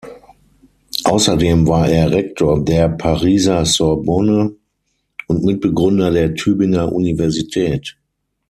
Außerdem war er Rektor der Pariser Sorbonne und Mitbegründer der Tübinger Universität.